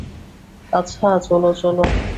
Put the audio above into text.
আচ্ছা, চলো, চলো!